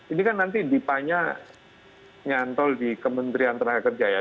ini kan nanti dipanya nyantol di kementerian tenaga kerja ya